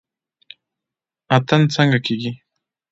اتن څنګه کیږي؟